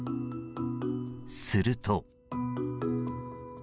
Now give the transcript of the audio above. すると。